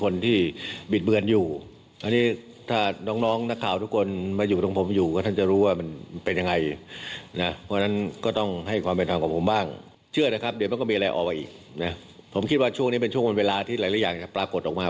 นี่เป็นช่วงมันเวลาที่หลายอย่างจะปรากฏออกมา